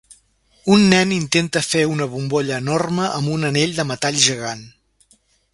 Un nen intenta fer una bombolla enorme amb una anell de metall gegant.